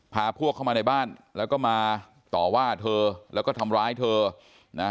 พาพวกเข้ามาในบ้านแล้วก็มาต่อว่าเธอแล้วก็ทำร้ายเธอนะ